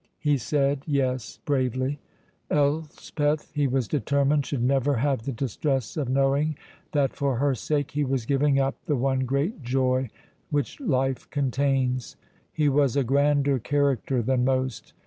He said Yes bravely. Elspeth, he was determined, should never have the distress of knowing that for her sake he was giving up the one great joy which life contains. He was a grander character than most.